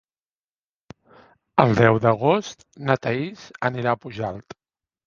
El deu d'agost na Thaís anirà a Pujalt.